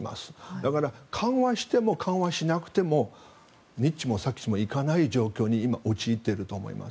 だから緩和しても緩和しなくてもにっちもさっちもいかない状況に今、陥っていると思います。